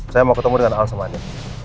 saya mau ketemu dengan al sama anin